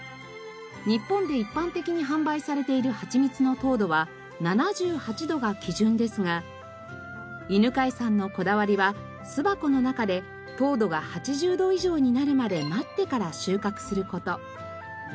日本で一般的に販売されているはちみつの糖度は７８度が基準ですが犬飼さんのこだわりは巣箱の中で糖度が８０度以上になるまで待ってから収穫する事。